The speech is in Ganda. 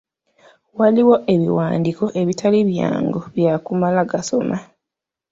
Waliwo ebiwandiiko ebitali byangu byakumala gasoma.